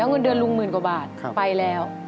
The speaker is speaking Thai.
เงินเดือนลุงหมื่นกว่าบาทไปแล้ว